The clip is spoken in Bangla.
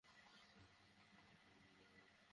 তখন শত্রুদেরই বিজয় হবে।